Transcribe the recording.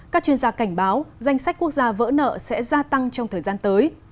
các chuyên gia cảnh báo danh sách quốc gia vỡ nợ sẽ gia tăng trong thời gian tới